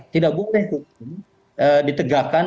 tidak boleh itu ditegakkan